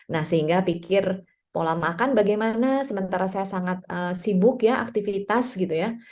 nah sehingga pikir pola makan bagaimana sementara saya sangat sibuk ya aktivitas gitu ya